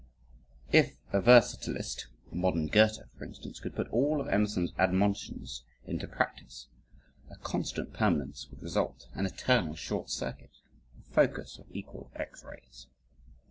If a versatilist, a modern Goethe, for instance, could put all of Emerson's admonitions into practice, a constant permanence would result, an eternal short circuit a focus of equal X rays.